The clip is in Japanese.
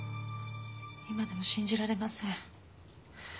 今でも信じられません。